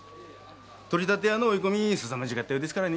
取り立て屋の追い込みすさまじかったようですからね。